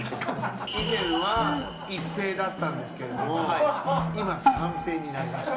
以前はいっ平だったんですけれども今三平になりました。